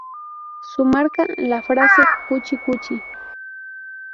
Su marca, la frase "cuchi, cuchi".